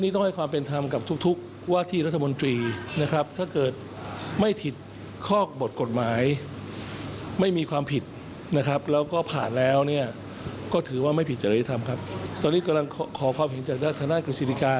ตอนนี้กำลังขอความเห็นจากสำนักงานกฤษฎีกา